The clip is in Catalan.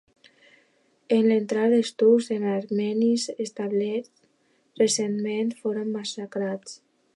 En entrar els turcs els armenis establerts recentment foren massacrats.